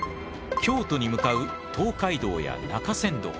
京都に向かう東海道や中山道。